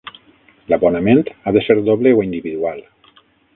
L'abonament ha de ser doble o individual?